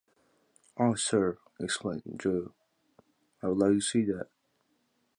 ‘’Ah, sir!” exclaimed Joe, "I would like to see that.’’